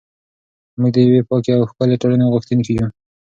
موږ د یوې پاکې او ښکلې ټولنې غوښتونکي یو.